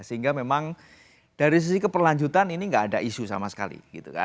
sehingga memang dari sisi keberlanjutan ini nggak ada isu sama sekali